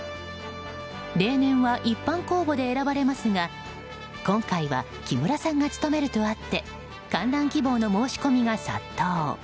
例年は一般公募で選ばれますが今回は木村さんが務めるとあって観覧希望の申し込みが殺到。